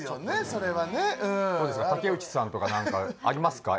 それはねうん竹内さんとか何かありますか？